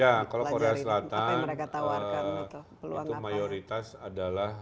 ya kalau korea selatan itu mayoritas adalah